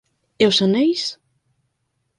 E os aneis?